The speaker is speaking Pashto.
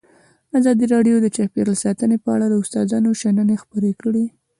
ازادي راډیو د چاپیریال ساتنه په اړه د استادانو شننې خپرې کړي.